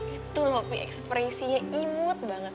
itu loh pi ekspresinya imut banget